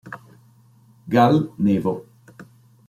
Gal Nevo